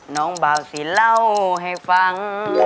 น้องเบาสีเล่าให้ฟัง